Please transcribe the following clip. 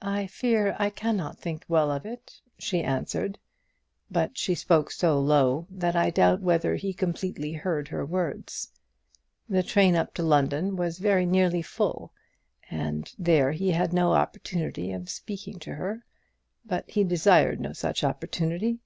"I fear I cannot think well of it," she answered. But she spoke so low, that I doubt whether he completely heard her words. The train up to London was nearly full, and there he had no opportunity of speaking to her. But he desired no such opportunity.